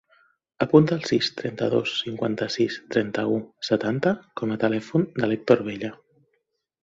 Apunta el sis, trenta-dos, cinquanta-sis, trenta-u, setanta com a telèfon de l'Hèctor Bella.